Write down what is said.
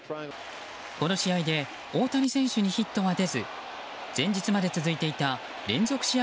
この試合で大谷選手にヒットは出ず前日まで続いていた連続試合